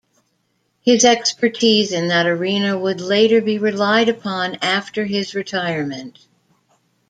His expertise in that arena would later be relied upon after his retirement.